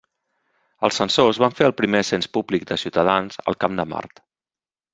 Els censors van fer el primer cens públic de ciutadans al Camp de Mart.